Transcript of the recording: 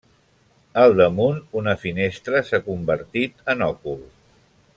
Al damunt, una finestra s'ha convertit en òcul.